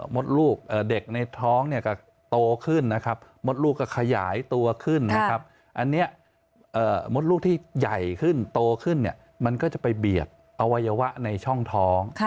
เด็กในท้องเนี่ยก็โตขึ้นนะครับมดลูกก็ขยายตัวขึ้นนะครับอันนี้มดลูกที่ใหญ่ขึ้นโตขึ้นเนี่ยมันก็จะไปเบียดอวัยวะในช่องท้อง